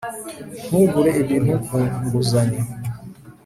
Ntugure ibintu ku nguzanyo